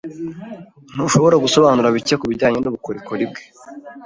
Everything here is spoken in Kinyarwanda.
Ntushobora gusobanura bike kubijyanye n'ubukorikori bwe?